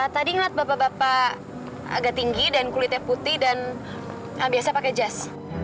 tadi ngeliat bapak bapak agak tinggi dan kulitnya putih dan biasa pakai jas